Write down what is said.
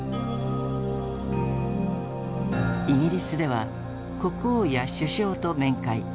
イギリスでは国王や首相と面会。